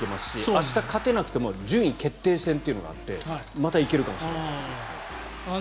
明日勝てなくても順位決定戦というのがあってまた行けるかもしれない。